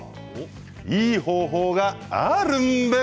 いい方法があるんです。